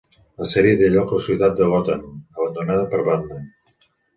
La sèrie té lloc a la ciutat de Gotham abandonada per Batman.